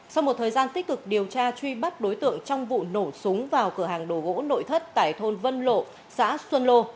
sau một thời gian tích cực điều tra truy bắt đối tượng trong vụ nổ súng vào cửa hàng đồ gỗ nội thất tại thôn vân lộ xã xuân lô